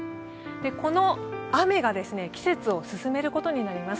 この雨が季節を進めることになります。